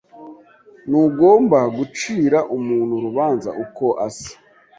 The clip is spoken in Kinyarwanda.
Ntugomba gucira umuntu urubanza uko asa.